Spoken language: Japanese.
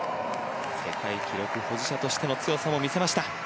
世界記録保持者としての強さも見せました。